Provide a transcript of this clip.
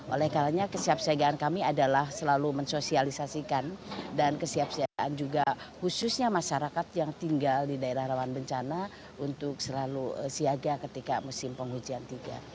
oleh kalanya kesiapsiagaan kami adalah selalu mensosialisasikan dan kesiapsiagaan juga khususnya masyarakat yang tinggal di daerah rawan bencana untuk selalu siaga ketika musim penghujan tiga